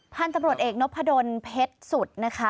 ท่านตำรวจเอกนกภดลเพชต์สุดนะคะ